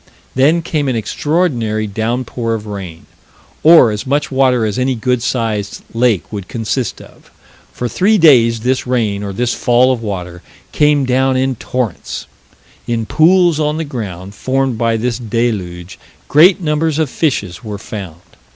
Then came an extraordinary downpour of rain or as much water as any good sized lake would consist of. For three days this rain or this fall of water came down in torrents. In pools on the ground, formed by this deluge, great numbers of fishes were found.